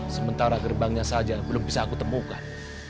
sementara gerbangnya saja belum bisa aku temukan